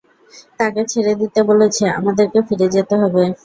তাকে ছেড়ে দিতে বলেছে, আমাদেরকে ফিরে যেতে হবে।